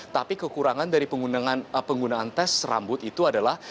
tapi kekurangan dari penggunaan tes rambut itu adalah